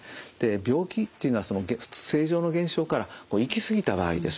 病気っていうのは正常の現象から行き過ぎた場合です。